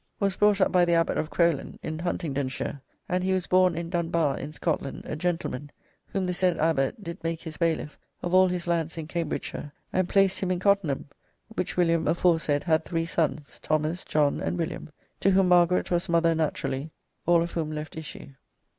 8, was brought up by the Abbat of Crowland, in Huntingdonshire, and he was borne in Dunbar, in Scotland, a gentleman, whom the said Abbat did make his Bayliffe of all his lands in Cambridgeshire, and placed him in Cottenham, which William aforesaid had three sonnes, Thomas, John, and William, to whom Margaret was mother naturallie, all of whom left issue."